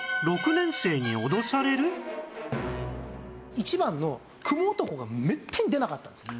１番の蜘蛛男がめったに出なかったんですよ。